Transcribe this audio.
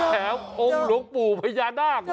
แถมองค์หลงปู่พญานาคเหรอ